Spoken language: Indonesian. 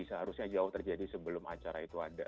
seharusnya jauh terjadi sebelum acara itu ada